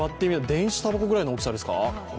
電子たばこぐらいの大きさですか。